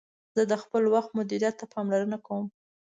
زه د خپل وخت مدیریت ته پاملرنه کوم.